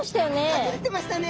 隠れてましたね。